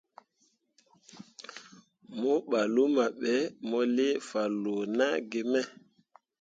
Mo ɓah luma ɓe, mo lii fanloo naa gi me.